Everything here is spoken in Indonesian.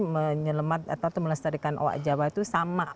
melestarikan oha jawa itu sama